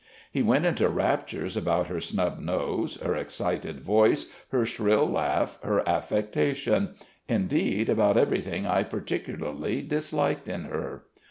He went into raptures about her snub nose, her excited voice, her shrill laugh, her affectation indeed, about everything I particularly disliked in her.